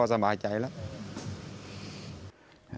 อยู่ดีมาตายแบบเปลือยคาห้องน้ำได้ยังไง